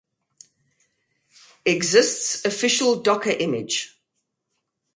Exists official Docker image.